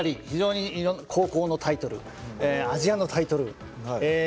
非常に高校のタイトルアジアのタイトルえ